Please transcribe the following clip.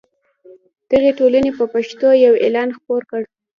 دغې ټولنې په پښتو یو اعلان خپور کړ.